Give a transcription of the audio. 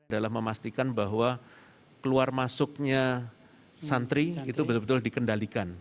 dalam memastikan bahwa keluar masuknya santri itu betul betul dikendalikan